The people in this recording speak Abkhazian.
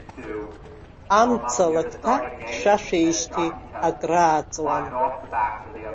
Амца алакҭа хьшәашәеижьҭеи акрааҵуан.